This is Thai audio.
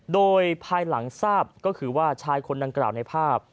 โดยภายหลังทราบก็คือว่าชายคนดังกล่าวในภาพ